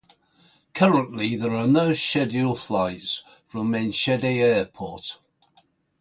Currently there are no scheduled flights from Enschede Airport.